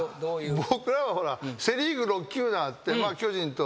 僕らはほらセ・リーグ６球団あってまあ巨人と。